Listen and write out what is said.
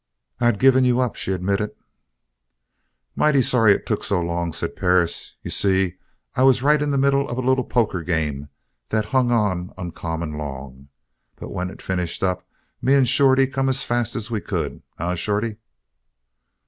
"I'd given you up," she admitted. "Mighty sorry it took so long," said Perris. "You see, I was right in the middle of a little poker game that hung on uncommon long. But when it finished up, me and Shorty come as fast as we could. Eh, Shorty?"